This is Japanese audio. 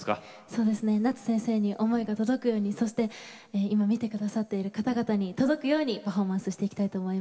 そうですね夏先生に思いが届くようにそして今見て下さっている方々に届くようにパフォーマンスしていきたいと思います。